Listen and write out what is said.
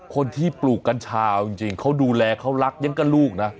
คนที่ปลูกกัญชาจริงเขาดูแลเขารักยังก็ลูกนะ